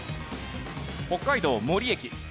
北海道森駅。